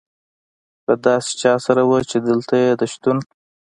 له داسې چا سره وه، چې دلته یې د شتون.